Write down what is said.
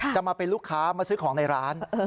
จะมาเป็นลูกค้ามาซื้อของในร้าน